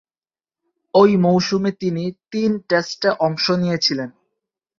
ঐ মৌসুমে তিনি তিন টেস্টে অংশ নিয়েছিলেন।